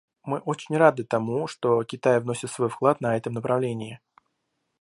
Мы очень рады тому, что Китай вносит свой вклад на этом направлении.